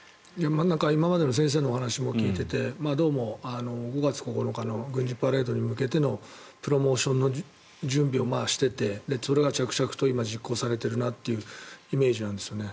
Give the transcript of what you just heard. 今までの先生のお話も聞いていてどうも５月９日の軍事パレードに向けてのプロモーションの準備をしていてそれが着々と今、実行されているなというイメージなんですよね。